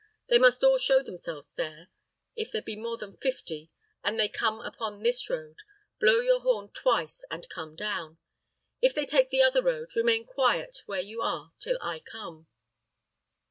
They must all show themselves there. If there be more than fifty, and they come upon this road, blow your horn twice and come down. If they take the other road, remain quiet where you are till I come."